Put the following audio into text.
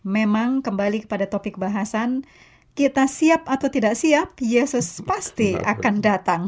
memang kembali kepada topik bahasan kita siap atau tidak siap yesus pasti akan datang